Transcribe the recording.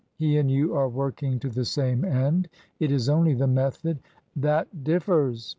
He and you are working to the same end. It is only the method "" That differs